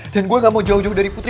dan gue gak mau jauh jauh dari putri